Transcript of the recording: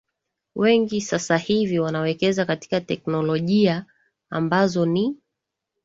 wengi sasa hivi wanawekeza katika technologia ambazo ni